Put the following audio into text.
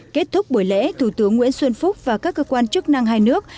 kết thúc buổi lễ thủ tướng nguyễn xuân phúc và các cơ quan chức năng hai nước